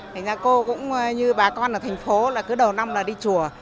thành ra cô cũng như bà con ở thành phố là cứ đầu năm là đi chùa